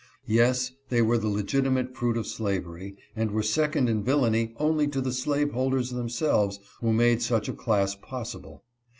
Yes, they were the legitimate fruit of slavery, and were second in vil lainy only to the slaveholders themselves who made such a class possible.